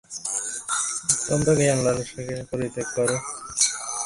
অত্যন্ত জ্ঞান-লালসাকে পরিত্যাগ কর, কারণ তাহা হইতে অত্যন্ত চিত্তবিক্ষেপ ও ভ্রম আগমন করে।